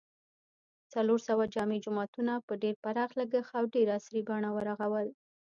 څلورسوه جامع جوماتونه په ډېر پراخ لګښت او ډېره عصري بڼه و رغول